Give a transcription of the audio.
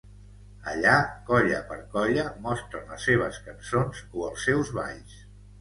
Allà, colla per colla, mostren les seves cançons o els seus balls.